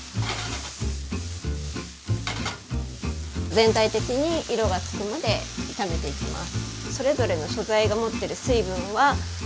全体的に色がつくまで炒めていきます。